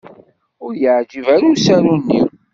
Ur y-iεǧib ara usaru-nni